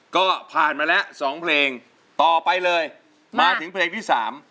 ก็ผ่านมาแล้วสองเพลงต่อไปเลยมาถึงเพลงที่สาม